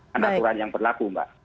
dan aturan yang berlaku mbak